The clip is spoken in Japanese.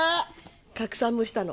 拡散もしたの。